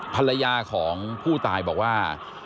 ภรรยาของผู้ตายบอกว่า